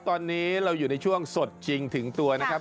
ตอนนี้เราอยู่ในช่วงสดชิงถึงตัวนะครับ